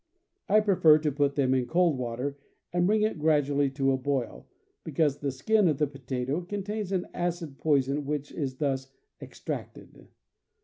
I pre fer to put them in cold water and bring it gradually to a boil, because the skin of the potato contains an acid poison which is thus extracted.